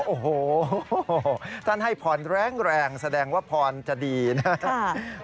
โอ้โหท่านให้พรแรงแสดงว่าพรจะดีนะครับ